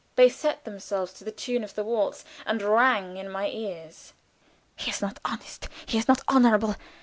They set themselves to the tune of the waltz, and rang in my ears: "He is not honest; he is not honorable.